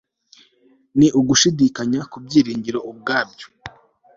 ni ugushidikanya ku byiringiro ubwabyo